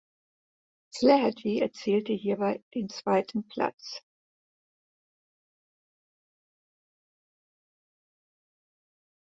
Flaherty erzielte hierbei den zweiten Platz.